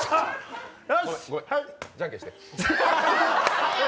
ごめん、じゃんけんして。